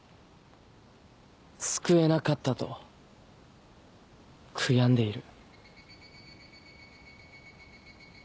救えなかったと悔やんでいる。